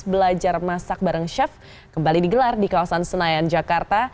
belajar masak bareng chef kembali digelar di kawasan senayan jakarta